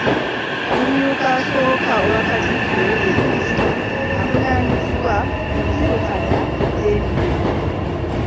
Omumyuka asooka owa Katikkiro ye minisita avunaanyizibwa ku nzirukanya y'emirimu.